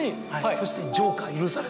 そして。